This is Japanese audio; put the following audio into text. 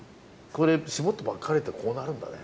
これしぼったばっかりってこうなるんだね。